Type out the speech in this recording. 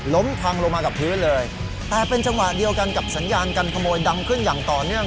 พังลงมากับพื้นเลยแต่เป็นจังหวะเดียวกันกับสัญญาการขโมยดังขึ้นอย่างต่อเนื่อง